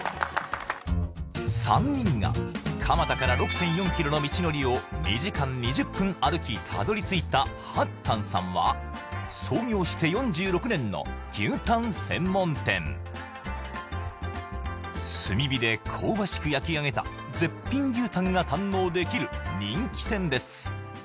３人が蒲田から６．４ｋｍの道のりを２時間２０分歩きたどり着いた八たんさんは創業して４６年の牛タン専門店炭火で香ばしく焼きあげた絶品牛タンが堪能できる人気店です